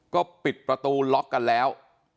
ก็ปิดประตูล็อกกันแล้ว